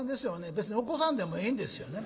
別に起こさんでもええんですよね。